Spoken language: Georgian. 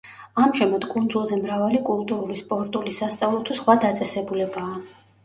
ამჟამად კუნძულზე მრავალი კულტურული, სპორტული, სასწავლო თუ სხვა დაწესებულებაა.